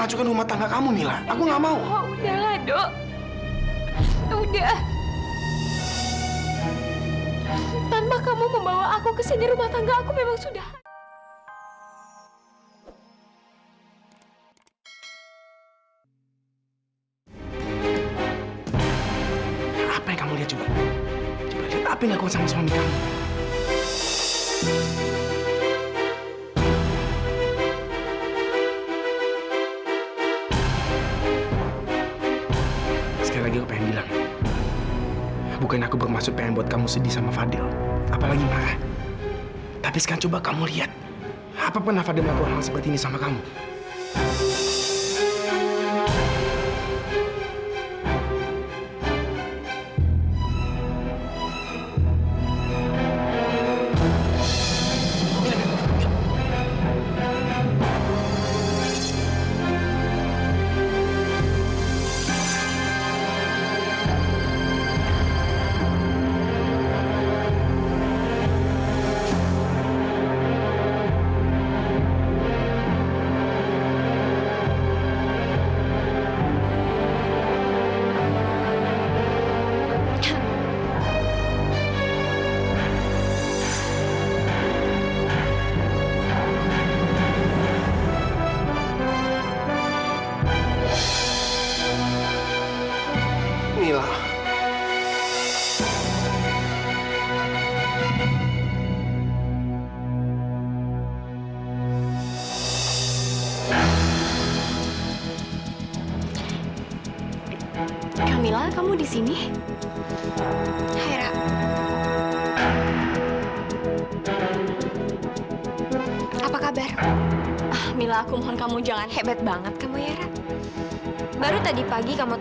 apa penafadamanku orang seperti ini sama kamu